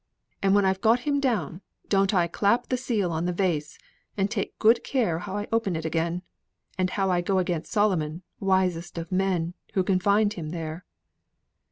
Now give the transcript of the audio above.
And when I've got him down, don't I clap the seal on the vase, and take good care how I open it again, and how I go against Solomon, wisest of men, who confined him there."